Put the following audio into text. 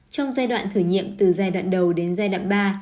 trong giai đoạn thử nghiệm từ giai đoạn đầu đến giai đoạn ba